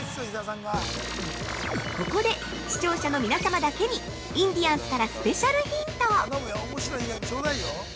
ここで、視聴者の皆様だけにインディアンスからスペシャルヒント！